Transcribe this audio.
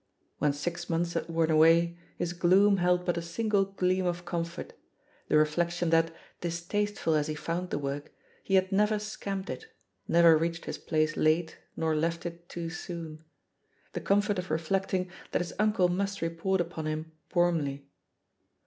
When six months had worn away, his gloom held but a single gleam of comfort — the reflection that, distasteful as he found the work, he had never scamped it, never reached his place late nor left it too soon — ^the comfort of reflecting that his uncle must report upon him warmly.